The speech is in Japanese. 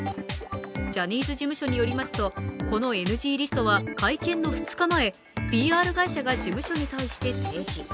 ジャニーズ事務所によりますとこのＮＧリストは会見の２日前ＰＲ会社が事務所に対して提示。